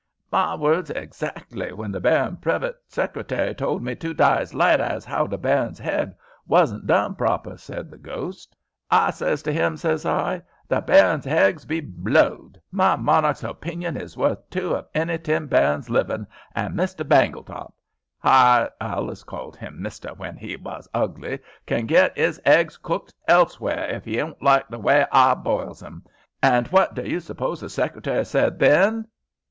"My words hexackly when the baron's privit secretary told me two dys laiter as 'ow the baron's heggs wasn't done proper," said the ghost. "H'I says to 'im, says I: 'The baron's heggs be blowed. My monarch's hopinion is worth two of any ten barons's livin', and Mister Baingletop,' (h'I allus called 'im mister when 'e was ugly,) 'can get 'is heggs cooked helsewhere if 'e don't like the wy h'I boils 'em.' Hand what do you suppose the secretary said then?"